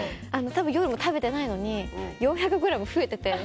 夜も食べてないのに４００ｇ増えてて。